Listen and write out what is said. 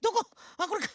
あっこれか。